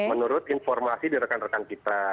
menurut informasi di rekan rekan kita